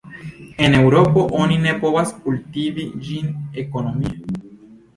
En Eŭropo oni ne povas kultivi ĝin ekonomie.